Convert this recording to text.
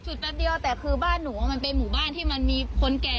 แป๊บเดียวแต่คือบ้านหนูมันเป็นหมู่บ้านที่มันมีคนแก่